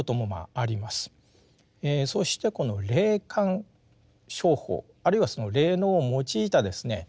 そしてこの霊感商法あるいはその霊能を用いたですね